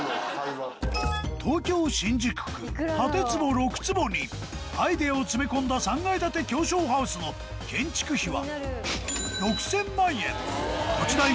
東京・新宿区建坪６坪にアイデアを詰め込んだ３階建て狭小ハウスの建築費はは。